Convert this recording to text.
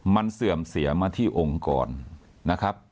มันเสื่อมเสียมาที่องค์กรนะครับ